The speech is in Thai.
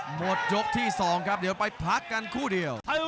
หมดยกที่๒ครับเดี๋ยวไปพักกันคู่เดียว